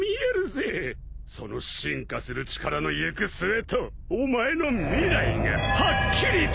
その進化する力の行く末とお前の未来がはっきりと！